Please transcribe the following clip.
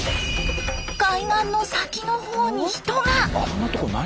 海岸の先のほうに人が！